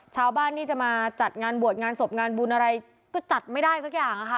ชาวบ้านนี่จะมาจัดงานบวชงานศพงานบุญอะไรก็จัดไม่ได้สักอย่างค่ะ